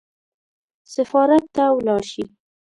سفارت ته ولاړ شي.